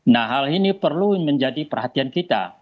nah hal ini perlu menjadi perhatian kita